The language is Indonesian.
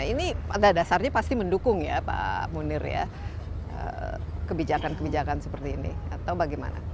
ini pada dasarnya pasti mendukung ya pak munir ya kebijakan kebijakan seperti ini atau bagaimana